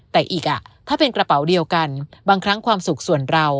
แต่อีกถ้าเป็นกระเป๋าเดียวกันบางครั้งความสุขส่วนเรา